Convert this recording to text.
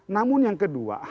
namun yang kedua